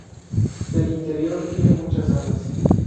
El interior tiene muchas salas.